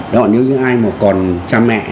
nếu như ai mà còn cha mẹ